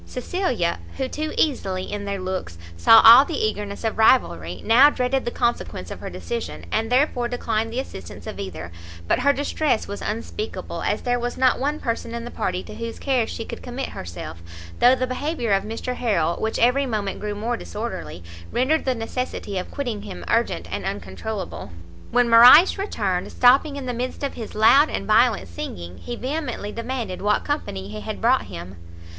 Cecilia, who, too easily, in their looks, saw all the eagerness of rivalry, now dreaded the consequence of her decision, and therefore declined the assistance of either; but her distress was unspeakable, as there was not one person in the party to whose care she could commit herself, though the behaviour of Mr Harrel, which every moment grew more disorderly, rendered the necessity of quitting him urgent and uncontroulable. When Morrice returned, stopping in the midst of his loud and violent singing, he vehemently demanded what company he had brought him?